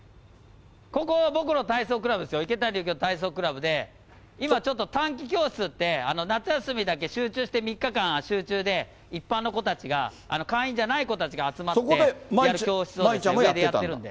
ここは僕の体操倶楽部ですよ、池谷幸雄体操倶楽部で、今、ちょっと短期教室って、夏休みだけ集中して３日間、集中で、一般の子たちが、会員じゃない子たちが集まって、教室を上でやってるんで。